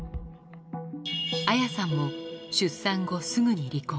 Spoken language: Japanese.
アヤさんも、出産後すぐに離婚。